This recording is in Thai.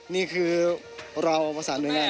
นี่คือเราประสานหน่วยงาน